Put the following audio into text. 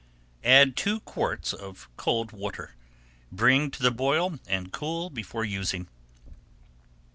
Add two quarts of cold water, bring to the boil, and cool before using.